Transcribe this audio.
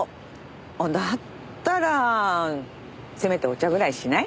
だったらせめてお茶ぐらいしない？